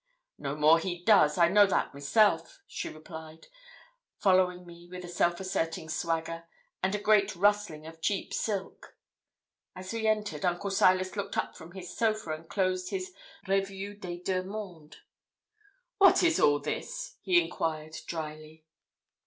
'No more he does I know that myself,' she replied, following me with a self asserting swagger, and a great rustling of cheap silk. As we entered, Uncle Silas looked up from his sofa, and closed his Revue des Deux Mondes. 'What is all this?' he enquired, drily.